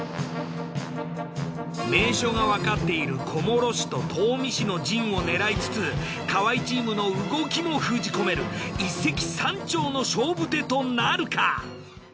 名所がわかっている小諸市と東御市の陣を狙いつつ河合チームの動きも封じ込める一石三鳥の勝負手となるか。